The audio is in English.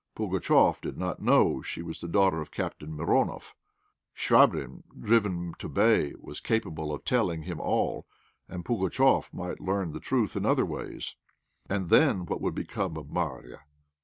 Pugatchéf did not know she was the daughter of Captain Mironoff; Chvabrine, driven to bay, was capable of telling him all, and Pugatchéf might learn the truth in other ways. Then, what would become of Marya?